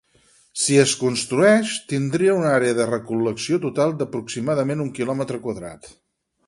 Si es construeix, tindria una àrea de recol·lecció total d'aproximadament un quilòmetre quadrat.